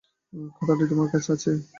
খাতাটি তোমার কাছে আছে?